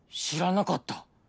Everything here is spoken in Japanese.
知らなかった！